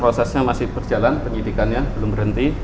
prosesnya masih berjalan penyidikannya belum berhenti